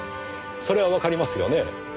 それはわかりますよね？